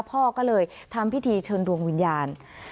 พ่อก็เลยทำพิธีเชิญดวงวิญญาณ